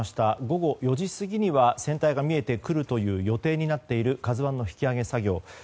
午後４時過ぎには船体が見えてくるという予定になっている「ＫＡＺＵ１」の引き揚げ作業。